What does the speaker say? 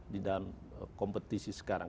di dalam kompetisi sekarang